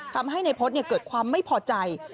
ทำให้นายพฤษเกิดความไม่พอใจ